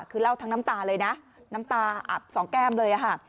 คือเล่าทั้งน้ำตาเลยนะน้ำตาอับสองแก้มเลยค่ะ